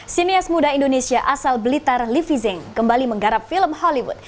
sinias muda indonesia asal blitar livi zeng kembali menggarap film hollywood